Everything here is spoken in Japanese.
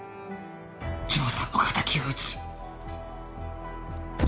丈さんの敵を討つ。